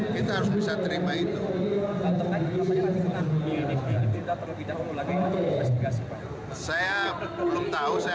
kita harus bisa terima itu